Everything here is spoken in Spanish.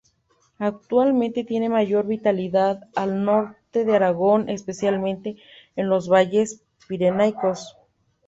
Actualmente tiene mayor vitalidad al norte de Aragón, especialmente en los valles pirenaicos.